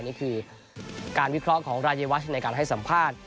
นี่คือการวิเคราะห์ของรายวัชในการให้สัมภาษณ์